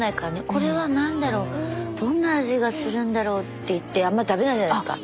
これはなんだろうどんな味がするんだろうっていってあんま食べないじゃないですか。